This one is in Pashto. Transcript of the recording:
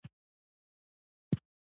زه به څرنګه د دوی په دام کي لوېږم